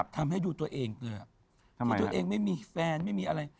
ทำให้ดูตัวเองที่ตัวเองไม่มีแฟนไม่มีอะไร